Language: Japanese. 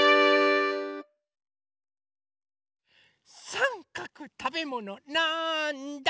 さんかくたべものなんだ？